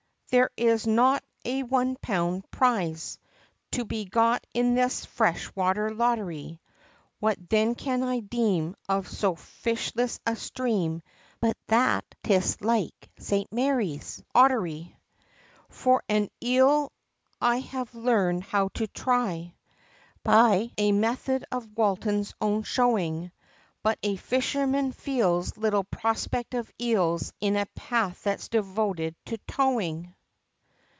there is not a one pound prize To be got in this fresh water lottery! What then can I deem Of so fishless a stream But that 'tis like St. Mary's Ottery! For an Eel I have learned how to try, By a method of Walton's own showing But a fisherman feels Little prospect of Eels, In a path that's devoted to towing!